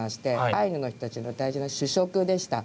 アイヌの人たちの大事な主食でした。